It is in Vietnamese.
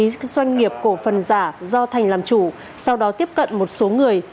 đăng ký doanh nghiệp cổ phần giả do thành làm chủ sau đó tiếp cận một số người